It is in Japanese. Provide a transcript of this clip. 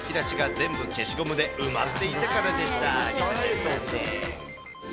はい、正解は、引き出しが全部消しゴムで埋まっていたからでした。